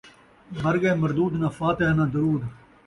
مر ڳئے مردود ناں فاتحہ ناں درود